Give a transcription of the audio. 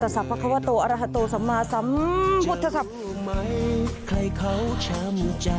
ทรัพย์ภาควัตโตอรัฐโตสัมมาสัมพุทธศัพท์